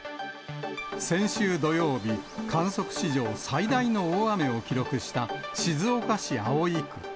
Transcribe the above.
先週土曜日、観測史上最大の大雨を記録した静岡市葵区。